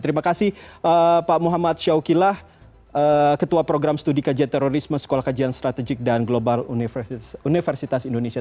terima kasih pak muhammad syaukilah ketua program studi kajian terorisme sekolah kajian strategik dan global universitas indonesia